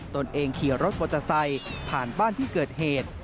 ตนเองขี่รถมอเตอร์ไซค์ผ่านบ้านที่เกิดเหตุ